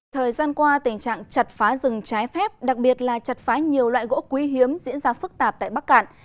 thời gian qua tình trạng chặt phá rừng trái phép đặc biệt là chặt phá nhiều loại gỗ quý hiếm diễn ra phức tạp tại bắc cạn